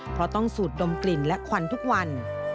เพราะต้องสูดดมกลิ่นและควันทุกวัน